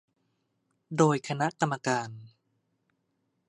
โดยคณะกรรมการ